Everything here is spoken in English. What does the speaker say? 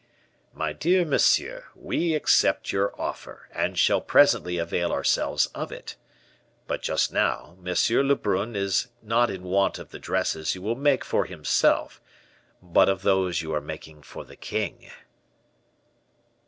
"My dear monsieur, we accept your offer, and shall presently avail ourselves of it; but just now, M. Lebrun is not in want of the dresses you will make for himself, but of those you are making for the king."